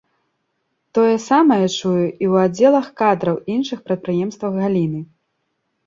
Тое самае чую і ў аддзелах кадраў іншых прадпрыемствах галіны.